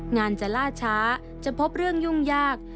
งานจะล่าช้าจะพบเรื่องยุ่งยาก